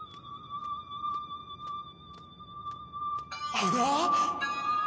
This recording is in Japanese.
あら？